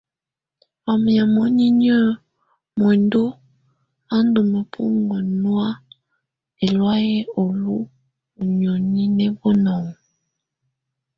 Wamɛ̀á munyinyǝ muǝndu á ndù mǝpuŋkǝ nɔ̀á ɛlɔ̀áyɛ u luǝ́ ú nioni nɛ bunɔŋɔ.